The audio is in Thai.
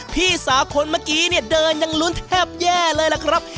พี่สาวคนเมื่อกี้เนี่ยเดินยังลุ้นแทบแย่เลยล่ะครับ